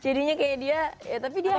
jadinya kayak dia ya tapi dia